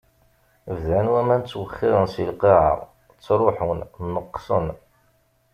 Bdan waman ttwexxiṛen si lqaɛa, ttṛuḥun, neqqsen.